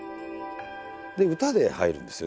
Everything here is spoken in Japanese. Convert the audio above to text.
で歌で入るんですよね。